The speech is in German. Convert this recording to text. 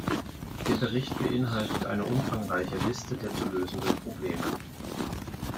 Der Bericht beinhaltet eine umfangreiche Liste der zu lösenden Probleme.